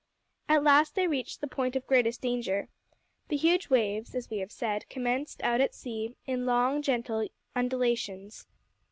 At last they reached the point of greatest danger. The huge waves, as we have said, commenced out at sea in long, gentle undulations.